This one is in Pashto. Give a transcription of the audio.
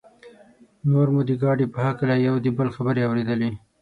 نور مو د ګاډي په هکله یو د بل خبرې اورېدلې.